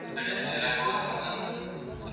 په کومو وختونو کې تر واده مخکې طلاقونه واقع سوي دي؟